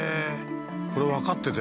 これ分かってて？